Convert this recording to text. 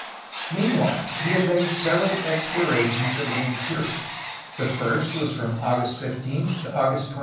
Meanwhile he had made several explorations of the in terior. The first was from August 15 to August 28.